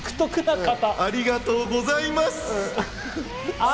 ありがとうございます。